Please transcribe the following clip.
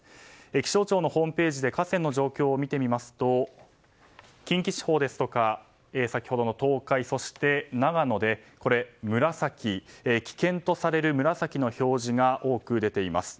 気象庁のホームページで河川の状況を見てみますと近畿地方ですとか先ほどの東海、長野で危険とされる紫の表示が多く出ています。